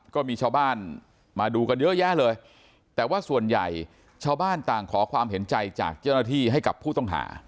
ก็มีชาวบ้านมาดูกันเยอะแยะเลยแต่ว่าส่วนใหญ่ชาวบ้านต่างขอความเห็นใจจากเจ้าหน้าที่ให้กับผู้ต้องหา